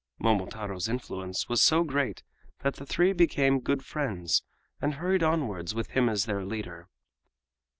Momotaro's influence was so great that the three became good friends, and hurried onwards with him as their leader.